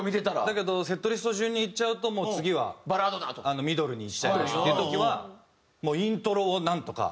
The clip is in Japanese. だけどセットリスト順にいっちゃうともう次はミドルにしちゃいますっていう時はイントロをなんとか。